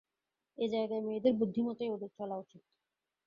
এ জায়গায় মেয়েদের বুদ্ধিমতেই ওদের চলা উচিত।